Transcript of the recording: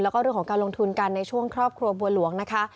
แล้วก็เรื่องของการลงทุนกันในช่วงครอบครัวบัวหลวงนะคะ